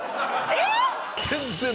えっ？